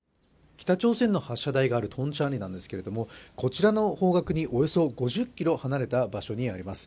北朝鮮の発射台があるトンチャンリなんですけれども、こちらの方角におよそ５０ｋｍ離れた場所にあります。